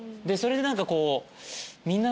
でそれで何かこう。